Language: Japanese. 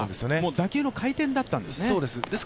打球の回転だったんですね。